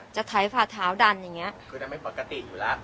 ไถฝ่าเท้าดันอย่างเงี้ยคือนั้นไม่ปกติอยู่แล้ว